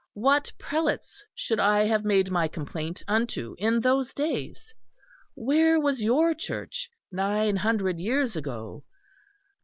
What prelates should I have made my complaint unto in those days? Where was your Church nine hundred years ago?